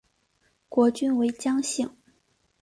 国君为姜姓。